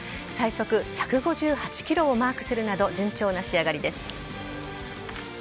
最速１５８キロをマークするなど順調な仕上がりです。